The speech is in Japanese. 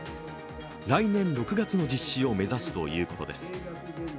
来年６月の実施を目指すということです。